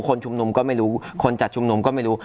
คนชุมนุมก็ไม่รู้คนจัดชุมนุมก็ไม่รู้